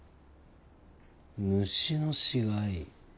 虫の死骸。